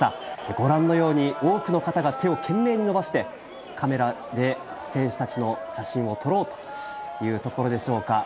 ご覧のように、多くの方が手を懸命に伸ばして、カメラで選手たちの写真を撮ろうというところでしょうか。